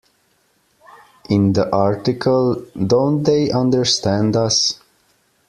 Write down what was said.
In the article Don't They Understand Us?